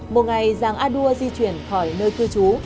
một ngày giàng a đua di chuyển khỏi nơi cư trú